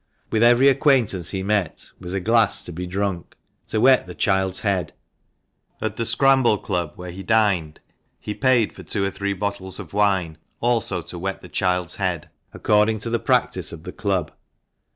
With every acquaintance he met was a glass to be drunk, "to wet the child's head." At the Scramble Club, where he dined, he paid for two or three bottles of wine, also " to wet the child's head," according to the practice of the club.